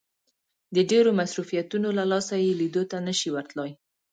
د ډېرو مصروفيتونو له لاسه يې ليدو ته نه شي ورتلای.